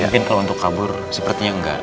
mungkin kalau untuk kabur sepertinya enggak